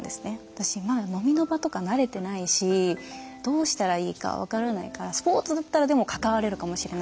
私まだ飲みの場とか慣れてないしどうしたらいいか分からないからスポーツだったらでも関われるかもしれないと思って。